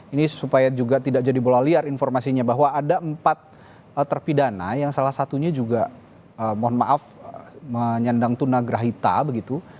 ini supaya juga tidak jadi bola liar informasinya bahwa ada empat terpidana yang salah satunya juga mohon maaf menyandang tunagrahita begitu